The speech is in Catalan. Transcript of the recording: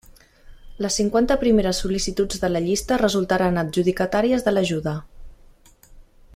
Les cinquanta primeres sol·licituds de la llista resultaran adjudicatàries de l'ajuda.